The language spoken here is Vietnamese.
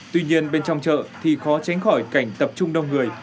tuy nhiên bên trong chợ thì khó tránh khỏi cảnh tập trung đông người